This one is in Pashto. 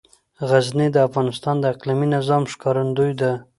غزني د افغانستان د اقلیمي نظام ښکارندوی ده.